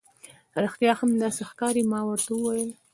رښتیا هم، داسې ښکاري. ما ورته وویل.